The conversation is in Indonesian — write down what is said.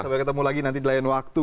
sampai ketemu lagi nanti di lain waktu